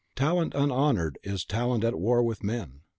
Talent unhonoured is talent at war with men.